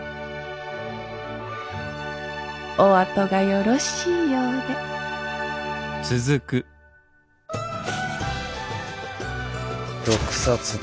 お後がよろしいようで毒殺だ。